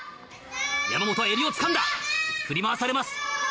山本は襟をつかんだ振り回されます。